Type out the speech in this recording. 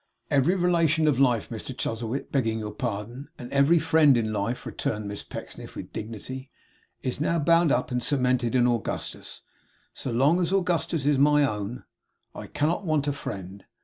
'Every relation of life, Mr Chuzzlewit, begging your pardon; and every friend in life,' returned Miss Pecksniff, with dignity, 'is now bound up and cemented in Augustus. So long as Augustus is my own, I cannot want a friend.